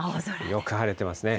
よく晴れてますね。